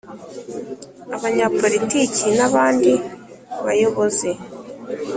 abanyapolitiki n abandi bayobozi